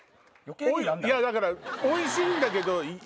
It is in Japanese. だからおいしいんだけど。